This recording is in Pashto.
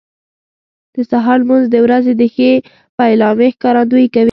د سهار لمونځ د ورځې د ښې پیلامې ښکارندویي کوي.